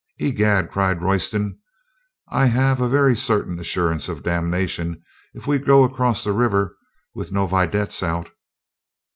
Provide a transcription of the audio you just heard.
"I'gad," cried Royston. "I have a very certain assurance of damnation if we go across the river with no vedettes out."